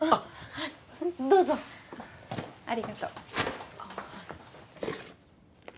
はいどうぞありがとうああ